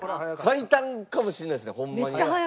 最短かもしれないですねホンマに。